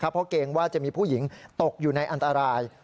เพราะเกรงว่าจะมีผู้หญิงตกอยู่ในอันตราย